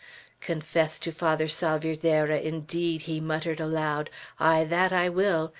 "Confess to Father Salvierderra, indeed!" he muttered aloud. "Ay, that will I.